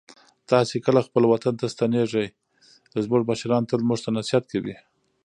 تاسې کله خپل وطن ته ستنېږئ؟ زموږ مشران تل موږ ته نصیحت کوي.